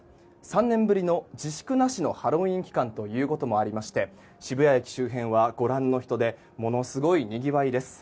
３年ぶりの自粛なしのハロウィーン期間ということもありまして渋谷駅周辺はご覧の人出ものすごいにぎわいです。